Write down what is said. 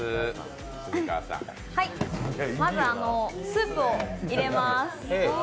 まずスープを入れます。